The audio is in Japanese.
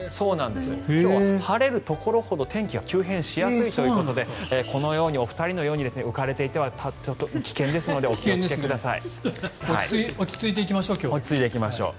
今日は晴れるところほど天気が急変しやすいのでこのようにお二人のように浮かれていては危険ですので落ち着いていきましょう。